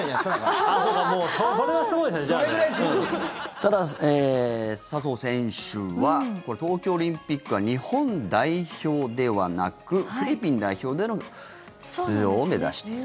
ただ、笹生選手は東京オリンピックは日本代表ではなくフィリピン代表での出場を目指している。